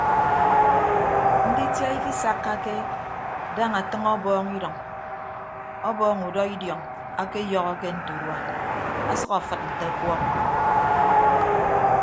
Nditia ikisakkake daña ọtʌñ ọbọọñ idʌñ ọbọọñ udọ idiọñ akeyọhọke nte urua asʌk afịd nte ọkuọk.